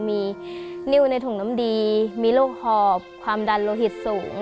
มีนิ้วในถุงน้ำดีมีโรคหอบความดันโลหิตสูง